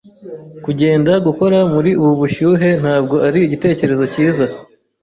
Kugenda gukora muri ubu bushyuhe ntabwo ari igitekerezo cyiza.